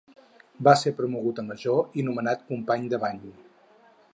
Va ser promogut a major i nomenat Company del Bany.